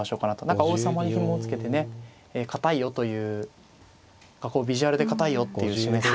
何か王様にひもを付けてね堅いよというこうビジュアルで堅いよって示す